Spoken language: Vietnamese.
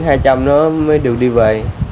thì nó mới được đi về